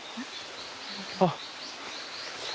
あっ。